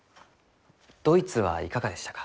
ドイツはいかがでしたか？